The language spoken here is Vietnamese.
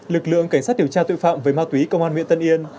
lực lượng cảnh sát điều tra tội phạm về ma túy công an huyện tân yên